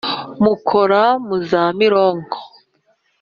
mukora mu za mironko